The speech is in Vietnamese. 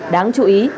đáng chú ý